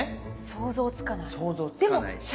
想像つかないし。